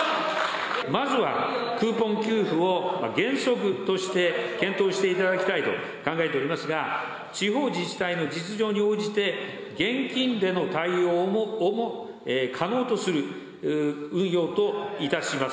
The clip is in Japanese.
まずはクーポン給付を原則として検討していただきたいと考えておりますが、地方自治体の実情に応じて現金での対応をも可能とする運用といたします。